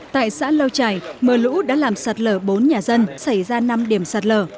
tại xã lâu trải mưa lũ đã làm sạt lở bốn nhà dân xảy ra năm điểm sạt lở